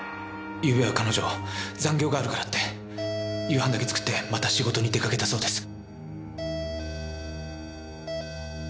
ゆうべは彼女残業があるからって夕飯だけ作ってまた仕事に出かけたそうです。